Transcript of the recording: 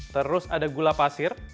terus ada gula pasir